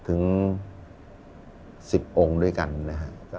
ถึง๑๐องค์ด้วยกันนะครับ